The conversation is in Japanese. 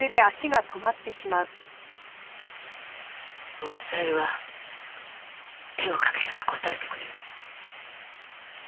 盆栽は手をかければ応えてくれる。